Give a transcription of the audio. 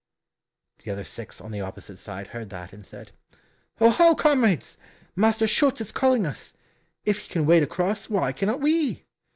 The other six on the opposite side heard that, and said, "Oho, comrades, Master Schulz is calling us; if he can wade across, why cannot we?"